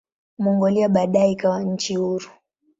Mongolia baadaye ikawa nchi huru.